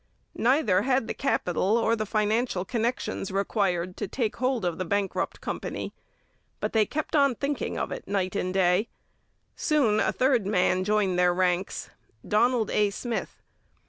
Neither had the capital or the financial connection required to take hold of the bankrupt company, but they kept on thinking of it day and night. Soon a third man joined their ranks, Donald A. Smith.